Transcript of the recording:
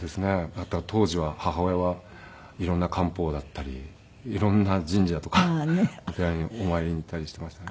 あとは当時は母親は色んな漢方だったり色んな神社とかお寺にお参りに行ったりしていましたね。